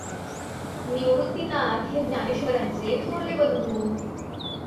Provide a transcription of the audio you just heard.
निवृत्तीनाथ हे ज्ञानेश्वरांचे थोरले बंधू.